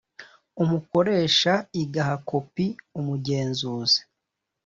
umukoresha igaha kopi umugenzuzi